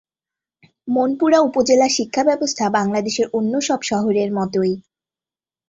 মনপুরা উপজেলা শিক্ষা ব্যবস্থা বাংলাদেশের অন্য সব শহরের মতই।